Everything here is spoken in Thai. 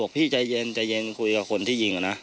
พี่ใจเย็นใจเย็นคุยกับคนที่ยิงอะนะ